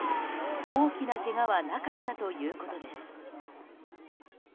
大きなけがはなかったということです。